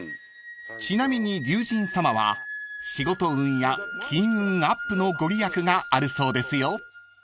［ちなみに龍神様は仕事運や金運アップの御利益があるそうですよ］